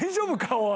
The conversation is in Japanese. おい。